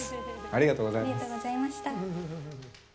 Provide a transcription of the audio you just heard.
ありがとうございます。